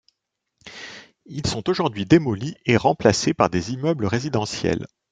Ils sont aujourd'hui démolis et remplacés par des immeubles résidentiels.